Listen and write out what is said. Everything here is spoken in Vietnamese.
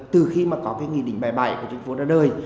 từ khi mà có cái nghị định bài bài của chính phủ ra đời